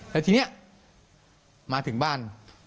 แล้วทีนี้มาถึงบ้าน